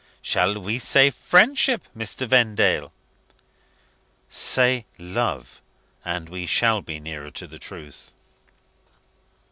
"Shall we say friendship, Mr. Vendale?" "Say love and we shall be nearer to the truth."